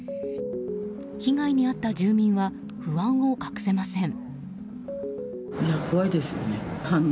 被害に遭った住民は不安を隠せません。